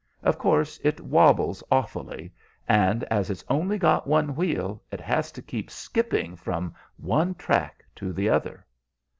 Of course it wobbles awfully; and as it's only got one wheel, it has to keep skipping from one track to the other."